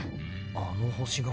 あの星が。